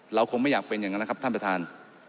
เราคงไม่อยากเป็นอย่างนั้นนะครับท่านประธาน